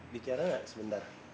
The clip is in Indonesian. bicara gak sebentar